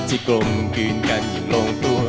ที่กลมกลืนกันอย่างลงตัว